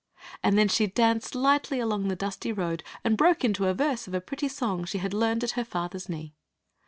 And then she danced lightly along the dusty road and broke into a verse of a pretty song she had learned at her father s knee.